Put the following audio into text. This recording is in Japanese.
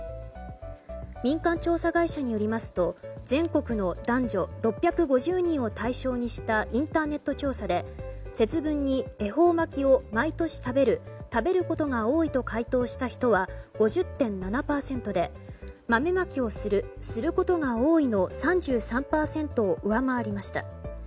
民間調査会社によりますと全国の男女６５０人を対象にしたインターネット調査で節分に恵方巻き毎年食べる食べることが多いと回答した人は５０．７％で豆まきをする、することが多いの３３％を上回りました。